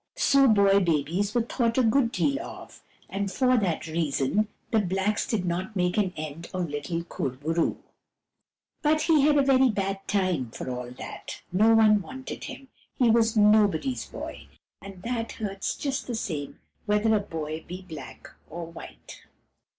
So boy babies were thought a good deal of, and for that reason the blacks did not make an end of little Kur bo roo. But he had a very bad time, for all that. No one wanted him. He was nobody's boy ; and that hurts just the same whether a boy be black or white.